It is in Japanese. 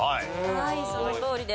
はいそのとおりです。